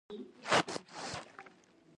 هیله او هڅه انسان موخې ته رسوي.